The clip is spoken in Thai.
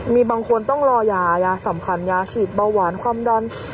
มีบางคนต้องรอยายาสำคัญยาฉีดเบาหวานความดัน